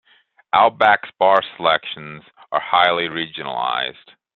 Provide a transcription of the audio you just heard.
Outback's bar selections are highly regionalized.